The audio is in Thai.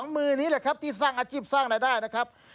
มือนี้แหละครับที่สร้างอาชีพสร้างรายได้นะครับ